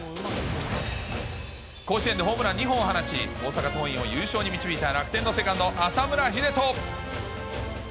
甲子園でホームラン２本を放ち、大阪桐蔭を優勝に導いた楽天のセカンド、浅村栄斗。